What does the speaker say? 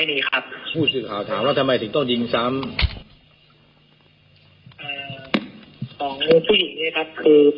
มีร้านทองหรือเป็นบางคนที่เขียวต้องอยู่นึกครับ